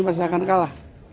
masyarakat akan kalah